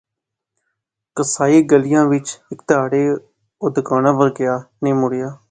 قصائی گلیا وچ، ہیک تہاڑے او دکانا اپر گیا، نی مڑیا